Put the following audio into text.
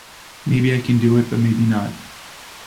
Maybe I can do it, but maybe not.